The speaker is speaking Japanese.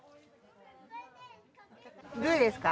どうですか？